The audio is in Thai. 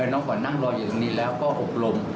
น้องขวัญนั่งรออยู่ตรงนี้แล้วก็อบรม